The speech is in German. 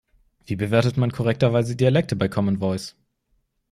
Wie bewertet man korrekterweise Dialekte bei Common Voice?